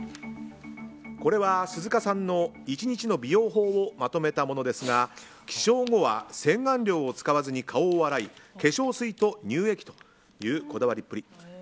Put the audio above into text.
これは鈴鹿さんの１日の美容法をまとめたものですが起床後は洗顔料を使わずに顔を洗い、化粧水と乳液というこだわりっぷり。